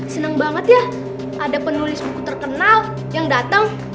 seneng banget ya ada penulis buku terkenal yang dateng